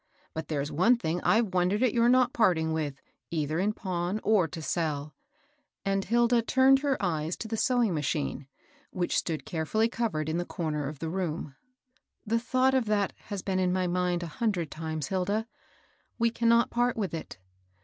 But there's one thing I've wondered at your not parting vdth, either in pawn or to sell ;" and Hilda turned her eyes to the sewing machine, which stood carefolly covered in the comer of the room* 894 MABEL ROSS. " The thought of that has been in my mind a hundred times, Hilda. We cannot part with it.